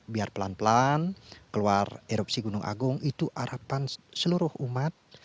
biar pelan pelan keluar erupsi gunung agung itu harapan seluruh umat